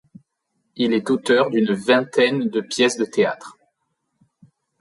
Il est auteur d'une vingtaine de pièces de théâtre.